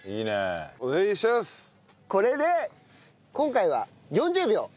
これで今回は４０秒。